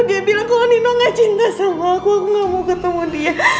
dia bilang kok nino gak cinta sama aku gak mau ketemu dia